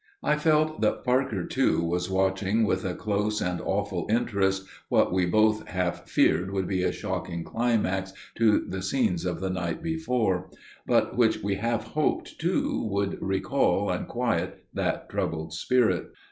I felt that Parker too was watching with a close and awful interest what we both half feared would be a shocking climax to the scenes of the night before, but which we half hoped too would recall and quiet that troubled spirit.